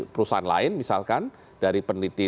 perusahaan lain misalkan dari peneliti